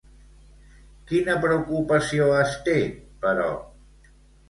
Quina preocupació es té, però?